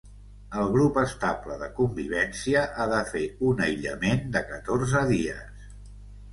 El grup estable de convivència ha de fer un aïllament de catorze dies.